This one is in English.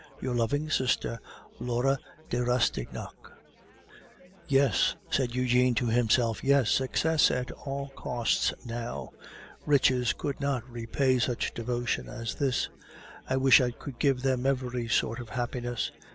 Your loving sister, "LAURE DE RASTIGNAC." "Yes!" said Eugene to himself. "Yes! Success at all costs now! Riches could not repay such devotion as this. I wish I could give them every sort of happiness!